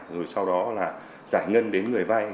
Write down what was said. rồi sau đó là giải ngân đến người vay